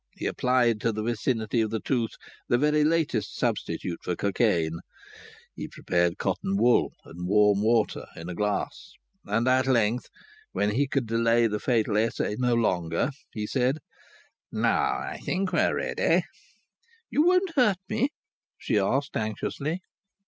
He applied to the vicinity of the tooth the very latest substitute for cocaine; he prepared cotton wool and warm water in a glass. And at length, when he could delay the fatal essay no longer, he said: "Now, I think we are ready." "You won't hurt me?" she asked anxiously.